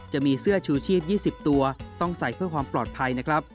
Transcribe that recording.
จะมีเสื้อชูชีพ๒๐ตัวต้องใส่เพื่อความปลอดภัยนะครับ